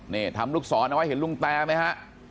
นี่ทำลูกศรเอาไว้เห็นลุงแตไหมฮะ